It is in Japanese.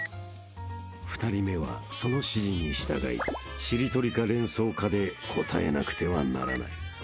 ［２人目はその指示に従いしりとりか連想かで答えなくてはならない］